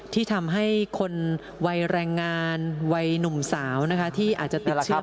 ที่ทำให้คนวัยแรงงานวัยหนุ่มสาวนะคะที่อาจจะติดเชื้อไม่เหมือนกัน